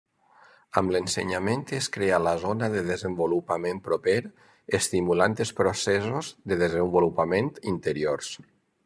Amb l'ensenyament es crea la Zona de Desenvolupament Proper, estimulant els processos de desenvolupament interiors.